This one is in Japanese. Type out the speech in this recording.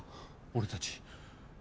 俺たち。